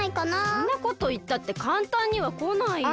そんなこといったってかんたんにはこないよ。